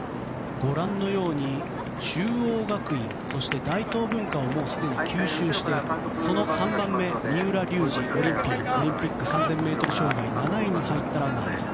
ご覧のように中央学院、そして大東文化をもうすでに吸収してその３番目、三浦龍司オリンピック３０００ｍ障害７位に入ったランナーです。